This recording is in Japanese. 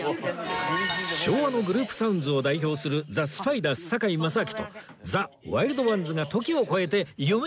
昭和のグループサウンズを代表するザ・スパイダース堺正章とザ・ワイルドワンズが時を超えて夢の共演！